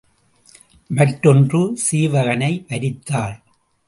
மற்றொன்று சீவகனை வரித்தாள்.